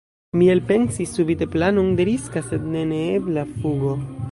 Mi elpensis subite planon de riska, sed ne neebla fugo.